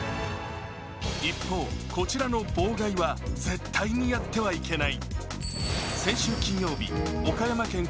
一方、こちらの妨害は絶対にやってはいけない。